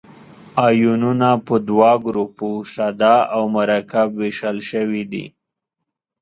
آیونونه په دوه ګروپو ساده او مرکب ویشل شوي دي.